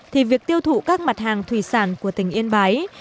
thì việc tiêu thụ các mặt hàng thủy sản của tỉnh yên bái